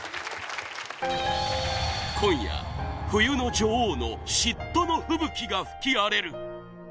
今夜、冬の女王の嫉妬の吹雪が吹き荒れる！